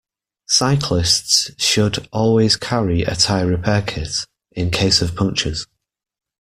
Cyclists should always carry a tyre-repair kit, in case of punctures